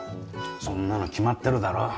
そんなの決まってるだろ。